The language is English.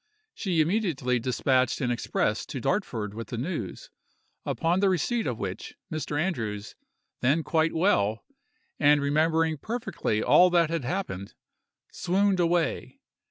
She immediately despatched an express to Dartford with the news, upon the receipt of which, Mr. Andrews, then quite well, and remembering perfectly all that had happened, swooned away.